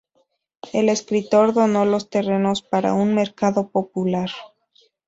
El escritor donó los terrenos para un mercado popular.